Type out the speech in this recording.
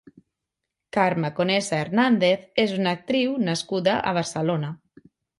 Carme Conesa Hernández és una actriu nascuda a Barcelona.